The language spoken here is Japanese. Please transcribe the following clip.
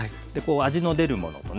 味の出るものとね